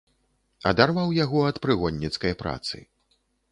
Адарваў яго ад прыгонніцкай працы.